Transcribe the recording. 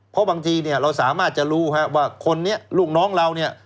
เพราะบางทีเนี่ยเราสามารถจะรู้ว่าคนนี้ลูกน้องเราเนี่ย